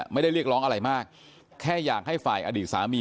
เรียกร้องอะไรมากแค่อยากให้ฝ่ายอดีตสามี